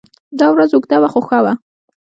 دا ورځ اوږده وه خو ښه وه.